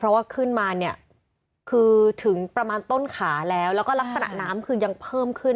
เพราะว่าขึ้นมาเนี่ยคือถึงประมาณต้นขาแล้วแล้วก็ลักษณะน้ำคือยังเพิ่มขึ้น